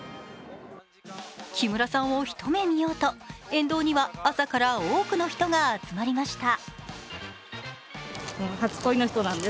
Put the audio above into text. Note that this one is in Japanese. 木村さんを一目見ようと、沿道には朝から多くの人が集まりました。